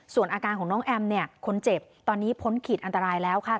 ส่วนอาการของน้องแอมเนี่ยคนเจ็บตอนนี้พ้นขีดอันตรายแล้วค่ะ